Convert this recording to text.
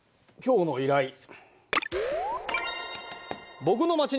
今日の依頼。